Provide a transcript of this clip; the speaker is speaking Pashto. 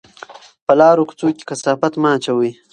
په لارو کوڅو کې کثافات مه اچوئ.